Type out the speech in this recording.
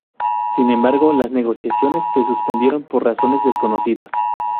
Sin embargo, las negociaciones se suspendieron por razones desconocidas.